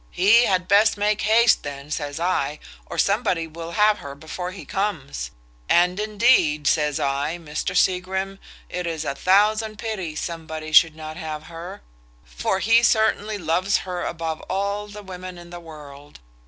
He had best make haste then, says I, or somebody will have her before he comes; and, indeed, says I, Mr Seagrim, it is a thousand pities somebody should not have her; for he certainly loves her above all the women in the world.